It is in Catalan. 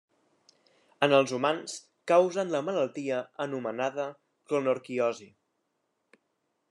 En els humans causen la malaltia anomenada clonorquiosi.